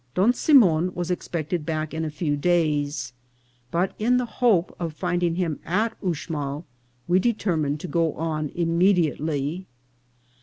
Don Simon was expected back in a few days, but, in the hope of finding him at Uxmal, we determined to go on immediately.